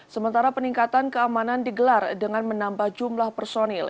sementara peningkatan keamanan digelar dengan menambah jumlah personil